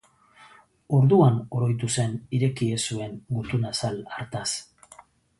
Orduan oroitu zen ireki ez zuen gutun-azal hartaz.